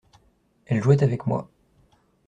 Elle jouait avec moi.